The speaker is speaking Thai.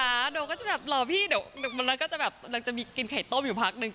มันก็จะแบบหล่อพี่มันก็จะแบบมันก็จะมีกินไข่ต้มอยู่พักนึง